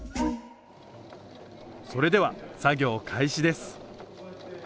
それでは作業開始です。